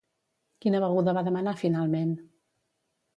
Quina beguda va demanar finalment?